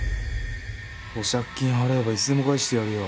保釈金を払えばいつでも返してやるよ。